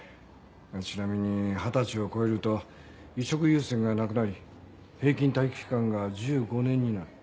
ちなみに二十歳を超えると移植優先がなくなり平均待機期間が１５年になる。